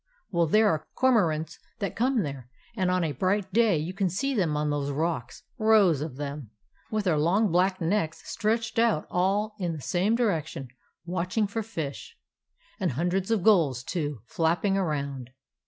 Well, there are cor morants that come there; and on a bright day you can see them on those rocks, rows of them, with their long black necks stretched out all in the same direction, watching for fish. And hundreds of gulls, too, flapping around.